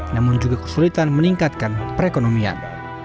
namun juga kesulitan meningkatkan perekonomian